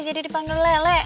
jadi dipanggil lelek